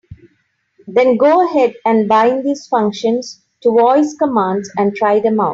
Then go ahead and bind these functions to voice commands and try them out.